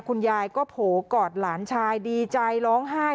คุณยายก็โผล่กอดหลานชายดีใจร้องไห้